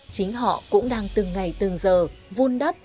chính họ cũng đang từng ngày từng giờ vun đắp